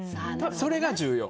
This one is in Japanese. それが重要。